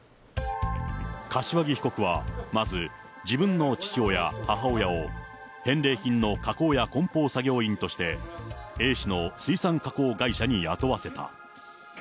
柏木被告はまず自分の父親、母親を返礼品の加工やこん包作業員として、Ａ氏の水産加工会社に雇わせた。